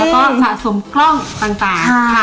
แล้วก็สะสมกล้องต่างค่ะ